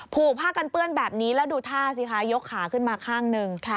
ผูกผ้ากันเปื้อนแบบนี้แล้วดูท่าสิคะยกขาขึ้นมาข้างหนึ่ง